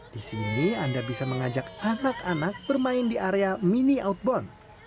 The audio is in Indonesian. di sini anda bisa mengajak anak anak bermain di area mini outbound